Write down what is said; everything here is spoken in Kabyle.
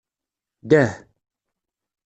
Dah.